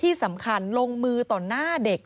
ที่มันก็มีเรื่องที่ดิน